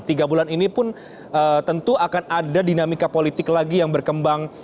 tiga bulan ini pun tentu akan ada dinamika politik lagi yang berkembang